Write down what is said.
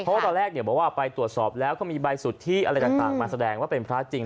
เพราะว่าตอนแรกบอกว่าไปตรวจสอบแล้วก็มีใบสุทธิอะไรต่างมาแสดงว่าเป็นพระจริง